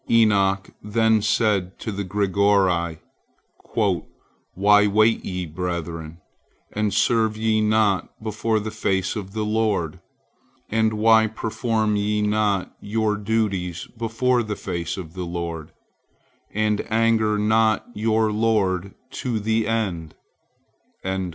Enoch then said to the Grigori, "Why wait ye, brethren, and serve ye not before the face of the Lord, and why perform ye not your duties before the face of the Lord, and anger not your Lord to the end?"